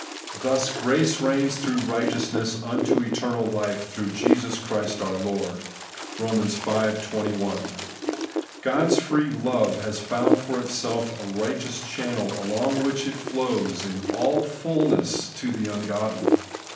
Thus 'grace reigns through righteousness unto eternal life through Jesus Christ our Lord ' (Eoni. V. 21).^ God's free love has found for itself a right eous channel, along which it flows in aU its fulness to the ungodly.